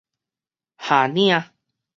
縖領